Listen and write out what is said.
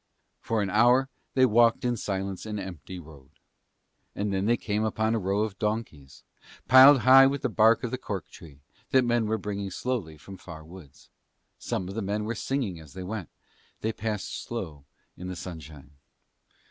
For an hour they walked in silence an empty road. And then they came upon a row of donkeys; piled high with the bark of the cork tree, that men were bringing slowly from far woods. Some of the men were singing as they went. They passed slow in the sunshine.